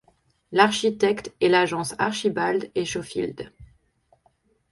L'architecte est l'agence Archibald & Schofield.